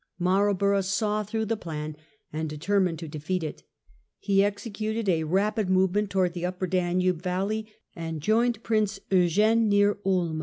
Marlborough saw through the Blenheim, plan and determined to defeat it. He exe ^^^'^^*'''° cuted a rapid movement towards the Upper Danube valley and joined Prince Eugene near Ulm.